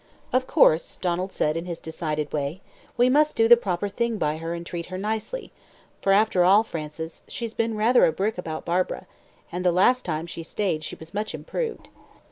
"Of course," Donald said in his decided way, "we must do the proper thing by her and treat her nicely for after all, Frances, she's been rather a brick about Barbara and the last time she stayed she was much improved."